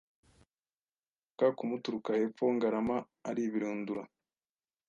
Ishaka kumuturuka hepfoNgarama aribirindura